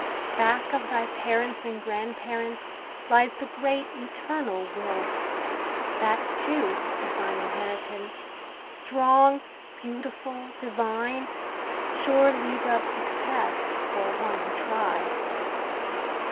Back of thy parents and grandparents lies The Great Eternal Will. That, too, is thine Inheritance; strong, beautiful, divine, Sure lever of success for one who tries.